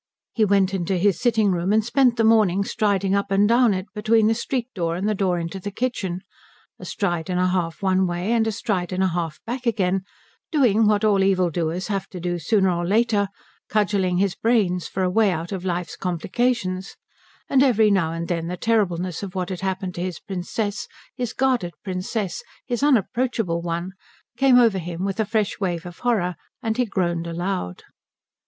He went into his sitting room and spent the morning striding up and down it between the street door and the door into the kitchen, a stride and a half one way, and a stride and a half back back again, doing what all evildoers have to do sooner or later, cudgelling his brains for a way out of life's complications: and every now and then the terribleness of what had happened to his Princess, his guarded Princess, his unapproachable one, came over him with a fresh wave of horror and he groaned aloud.